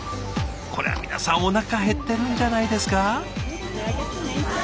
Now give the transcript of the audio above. これは皆さんおなか減ってるんじゃないですか？